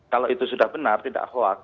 kalau itu sudah benar tidak hoax